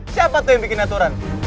siapa tuh yang bikin aturan